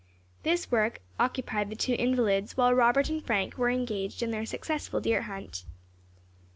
This work occupied the two invalids, while Robert and Frank were engaged in their successful deer hunt.